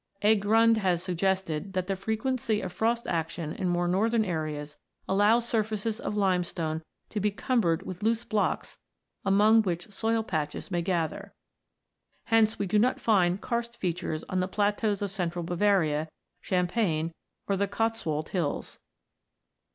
A. Grund(28) has suggested that the frequency of frost action in more northern areas allows surfaces of limestone to be cumbered with loose blocks among which soil patches may gather ; hence we do not find karst features on the plateaus of central Bavaria, Champagne, or the Cotteswold Hills.